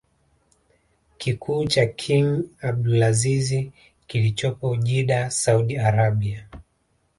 kikuu cha king Abdulazizi kilichopo Jidda Saudi Arabia